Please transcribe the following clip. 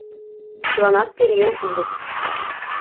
Чыланат пӧръеҥ улыт.